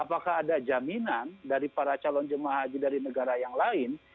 apakah ada jaminan dari para calon jemaah haji dari negara yang lain